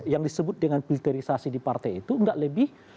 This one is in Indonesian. yang disebut dengan filterisasi di partai itu nggak lebih